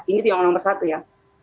ini tuh yang nomor satu ya